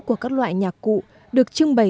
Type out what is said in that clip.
của các loại nhạc cụ được trưng bày